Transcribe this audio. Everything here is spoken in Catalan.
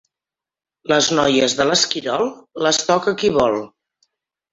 Les noies de l'Esquirol, les toca qui vol.